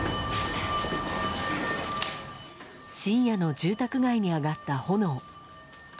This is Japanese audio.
深夜の住宅街に上がった炎。